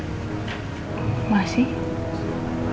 tau gue simpen ga liptiknya